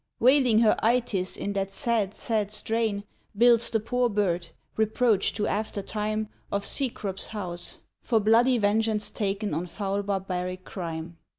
Wailing her Itys in that sad, sad strain, Builds the poor bird, reproach to after time Of Cecrops' house, for bloody vengeance ta'en On foul barbaric crime.